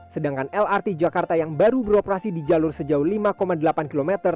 sedangkan lrt jakarta yang baru beroperasi di jalur sejauh lima delapan km